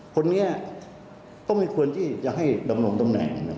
คนนี้ก็ไม่ควรที่จะให้ดำรงตำแหน่ง